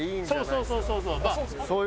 そうそうそうそう。